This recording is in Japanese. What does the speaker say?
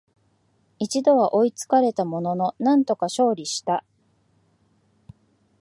一度は追いつかれたものの、なんとか勝利した